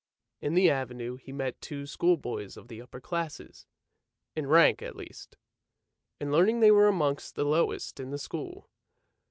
In the Avenue he met two schoolboys of the upper classes — in rank at least ; in learning they were amongst the lowest in the school.